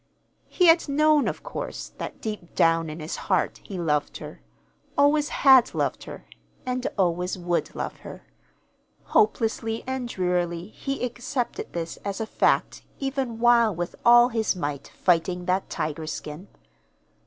He had known, of course, that deep down in his heart he loved her, always had loved her, and always would love her. Hopelessly and drearily he accepted this as a fact even while with all his might fighting that tiger skin.